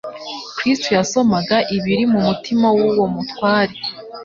Kristo yasomaga ibiri mu mutima w'uwo mutware.